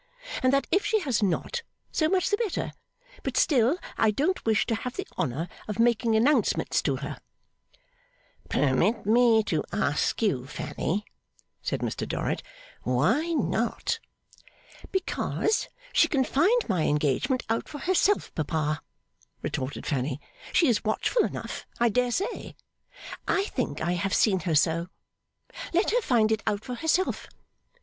And that if she has not, so much the better; but still I don't wish to have the honour of making announcements to her.' 'Permit me to ask you, Fanny,' said Mr Dorrit, 'why not?' 'Because she can find my engagement out for herself, papa,' retorted Fanny. 'She is watchful enough, I dare say. I think I have seen her so. Let her find it out for herself.